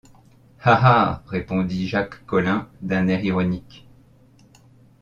Ah! ah !... répondit Jacques Collin, d’un air ironique.